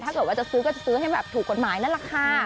ถ้าเกิดว่าจะซื้อก็จะซื้อให้แบบถูกกฎหมายนั่นแหละค่ะ